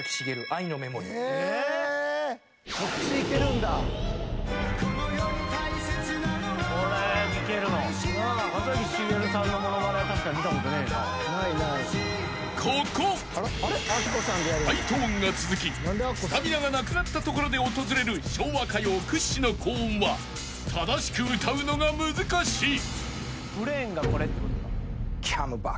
『愛のメモリー』［ハイトーンが続きスタミナがなくなったところで訪れる昭和歌謡屈指の高音は正しく歌うのが難しい］